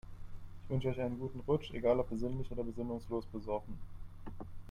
Ich wünsche euch einen guten Rutsch, egal ob besinnlich oder besinnungslos besoffen.